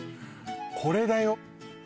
これだよ